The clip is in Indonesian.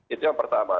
itu yang pertama